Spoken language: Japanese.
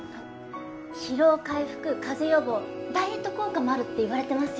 疲労回復風邪予防ダイエット効果もあるっていわれてますよね。